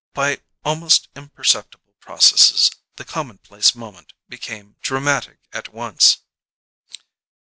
By almost imperceptible processes the commonplace moment became dramatic at once.